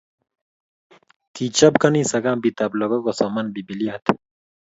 Kichob kanisa kambit ab lokok so kosoman bibiliait